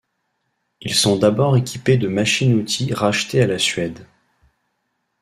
Ils sont d'abord équipés de machines-outils rachetées à la Suède.